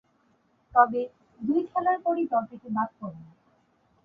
তবে, দুই খেলার পরই দল থেকে বাদ পড়েন।